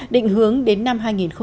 định hướng đến năm hai nghìn hai mươi